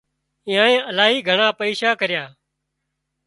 ايئنانئي الاهي گھڻا پئيشا ڪريا